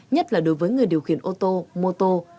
nhất là đối với người điều khiển ô tô mô tô